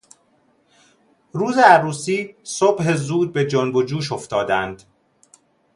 روز عروسی صبح زود به جنب و جوش افتادند.